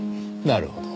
なるほど。